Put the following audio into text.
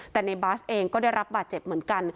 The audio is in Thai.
แต่ในบาสเองก็ได้รับบาดเจ็บเหมือนกัน